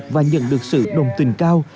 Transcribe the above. và nhận được sự đồng tình cao